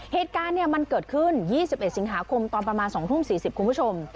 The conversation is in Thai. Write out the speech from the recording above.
เหตุการณ์มันเกิดขึ้น๒๑สิงหาคมตอนประมาณ๒ทุ่ม๔๐คุณผู้ชม